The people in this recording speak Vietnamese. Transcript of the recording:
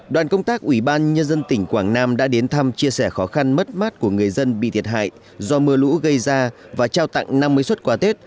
đoàn công tác ủy ban nhân dân tỉnh quảng nam đã đến thăm chia sẻ khó khăn mất mát của người dân bị thiệt hại do mưa lũ gây ra và trao tặng năm mươi xuất quà tết